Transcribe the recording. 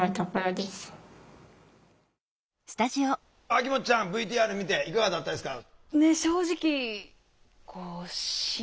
秋元ちゃんＶＴＲ見ていかがだったですか？